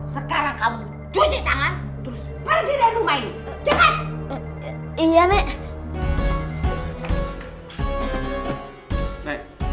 sekarang kamu cuci tangan